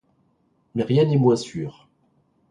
Mais rien n’est moins sûr.